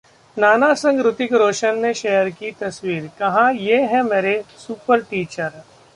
नाना संग ऋतिक रोशन ने शेयर की तस्वीर, कहा- ये हैं मेरे सुपर टीचर